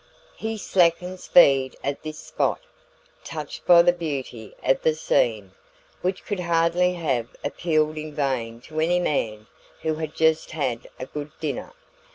He slackened speed at this spot, touched by the beauty of the scene, which could hardly have appealed in vain to any man who had just had a good dinner.